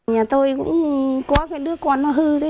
nhà tôi cũng có cái đứa con nó hư